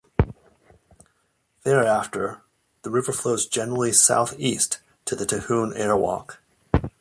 Thereafter, the river flows generally south-east to the Tahune Airwalk.